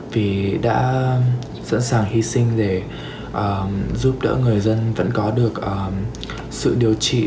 vì đã sẵn sàng hy sinh để giúp đỡ người dân vẫn có được sự điều trị